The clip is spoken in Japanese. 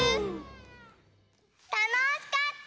たのしかった！